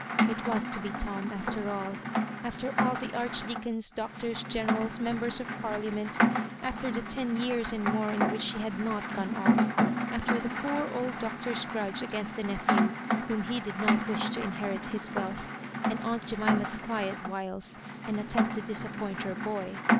It was to be Tom after all — ^after all the archdeacons, doctors, generals, inembers of par liament — after the ten years and more in which she had not gone off— after the poor old Doctor's grudge against the nephew whom he did not wish to. inherit his wealth, and aunt Jemima's quiet wiles, and attempt to disappoint her boy.